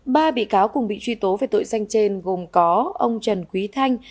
ba bị cáo cùng bị truy tố về tội danh trên gồm có ông trần quý thanh